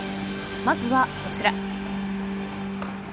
まずはこちら。